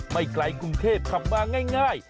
ไม่ไกลกรุงเทพขับมาง่าย